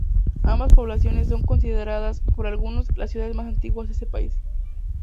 Ambas poblaciones son consideradas, por algunos, las ciudades más antiguas de ese país.